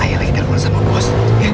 ayah lagi dari rumah sama bos